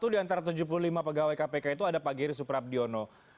satu di antara tujuh puluh lima pegawai kpk itu ada pak giri suprabdiono